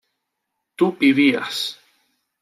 tú vivías